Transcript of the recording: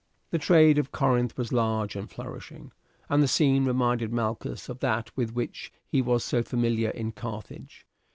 The trade of Corinth was large and flourishing, and the scene reminded Malchus of that with which he was so familiar in Carthage.